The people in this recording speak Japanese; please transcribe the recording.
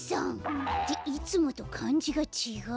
っていつもとかんじがちがう。